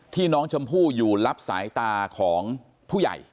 ที่น้องชมพู่อยู่รับสายตาของผู้ใหญ่